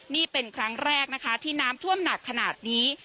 นี่เป็นครั้งแรกนะคะที่น้ำท่วมหนักขนาดนี้